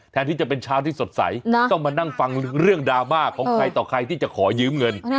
แทนที่จะเป็นเช้าที่สดใสต้องมานั่งฟังเรื่องดราม่าของใครต่อใครที่จะขอยืมเงิน